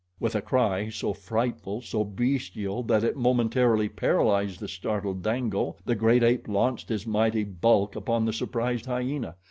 With a cry so frightful, so bestial, that it momentarily paralyzed the startled Dango, the great ape launched his mighty bulk upon the surprised hyena.